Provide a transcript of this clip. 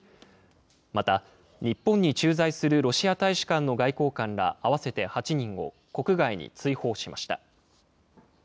また、日本に駐在するロシア大使館の外交官ら合わせて８人を国外に追放しました。